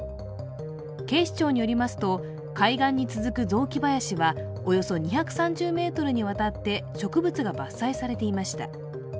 警視庁によりますと海岸に続く雑木林はおよそ２３０ｍにわたって植物が伐採されていました。